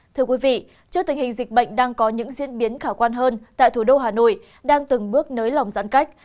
thưa quý vị trước tình hình dịch bệnh đang có những diễn biến khả quan hơn tại thủ đô hà nội đang từng bước nới lỏng giãn cách